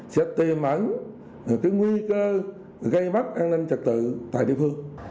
sẽ tiềm ẩn cái nguy cơ gây mất an ninh trật tự tại địa phương